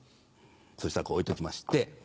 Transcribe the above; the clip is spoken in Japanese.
そしたらこう置いときまして。